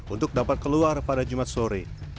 untuk dapat keluar pada jumat sore